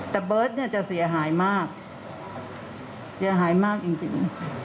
แต่เบิร์ตเนี่ยจะเสียหายมากเสียหายมากจริง